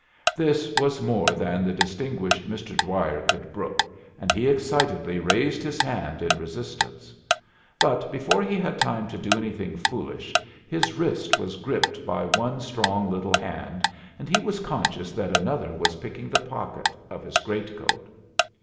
This was more than the distinguished Mr. Dwyer could brook, and he excitedly raised his hand in resistance. But before he had time to do anything foolish his wrist was gripped by one strong little hand, and he was conscious that another was picking the pocket of his great coat.